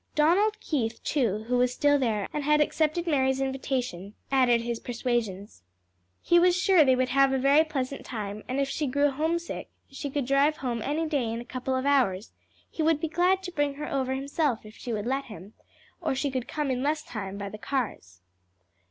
Donald Keith, too, who was still there, and had accepted Mary's invitation, added his persuasions. "He was sure they would have a very pleasant time, and if she grew homesick she could drive home any day in a couple of hours; he would be glad to bring her over himself if she would let him, or she could come in less time by the cars."